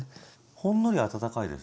ほんのり温かいですね。